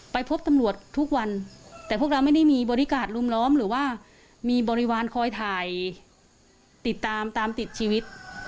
พบตำรวจทุกวันแต่พวกเราไม่ได้มีบริการ์รุมล้อมหรือว่ามีบริวารคอยถ่ายติดตามตามติดชีวิต